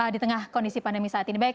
di tengah kondisi pandemi saat ini